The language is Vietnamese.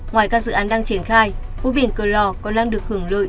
ngoài các dự án đang triển khai phố biển cờ lò còn đang được hưởng lợi